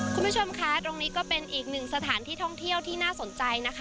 คุณผู้ชมคะตรงนี้ก็เป็นอีกหนึ่งสถานที่ท่องเที่ยวที่น่าสนใจนะคะ